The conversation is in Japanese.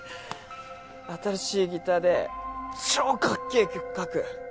新しいギターで超かっけぇ曲書く！